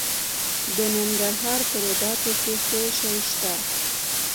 د ننګرهار په روداتو کې څه شی شته؟